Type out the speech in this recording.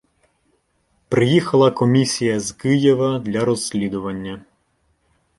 Приїхала комісія з Києва для розслідування.